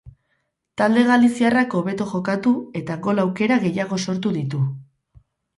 Talde galiziarrak hobeto jokatu eta gol aukera gehiago sortu ditu.